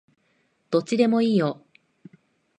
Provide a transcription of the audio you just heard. どっちでもいいよ